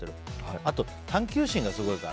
あと、探求心がすごいから。